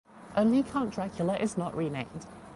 Only Count Dracula is not renamed.